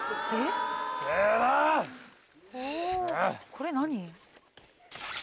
これ何？